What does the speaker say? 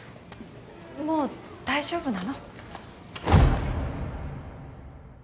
もう大丈夫なの？